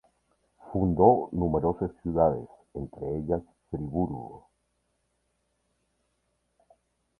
Fundó numerosas ciudades, entre ellas Friburgo.